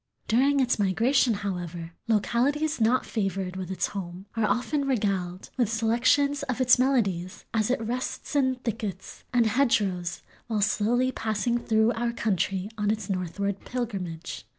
During its migration, however, localities not favored with its home are often regaled "with selections of its melodies as it rests in thickets and hedgerows while slowly passing through our country on its northward pilgrimage."